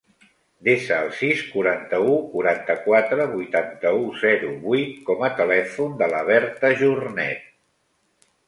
Desa el sis, quaranta-u, quaranta-quatre, vuitanta-u, zero, vuit com a telèfon de la Berta Jornet.